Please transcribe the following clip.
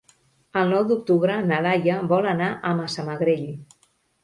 El nou d'octubre na Laia vol anar a Massamagrell.